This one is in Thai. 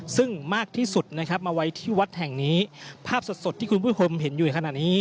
ซึ่งมากที่สุดนะครับมาไว้ที่วัดแห่งนี้ภาพสดสดที่คุณผู้ชมเห็นอยู่ในขณะนี้